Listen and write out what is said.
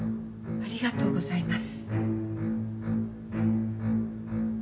ありがとうございます。